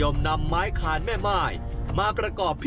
หันล้วยหันล้วยหันล้วยหันล้วย